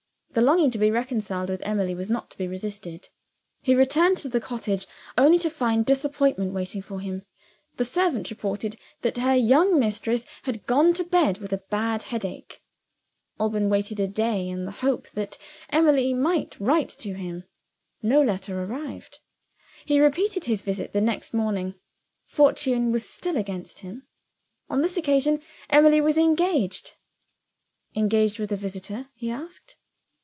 The longing to be reconciled with Emily was not to be resisted. He returned to the cottage, only to find disappointment waiting for him. The servant reported that her young mistress had gone to bed with a bad headache. Alban waited a day, in the hope that Emily might write to him. No letter arrived. He repeated his visit the next morning. Fortune was still against him. On this occasion, Emily was engaged. "Engaged with a visitor?" he asked.